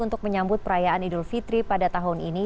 untuk menyambut perayaan idul fitri pada tahun ini